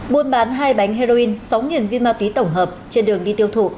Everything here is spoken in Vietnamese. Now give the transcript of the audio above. buôn bán hai bánh heroin sáu viên ma túy tổng hợp trên đường đi tiêu thụ